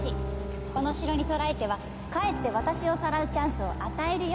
この城に捕らえてはかえって私をさらうチャンスを与えるようなもの。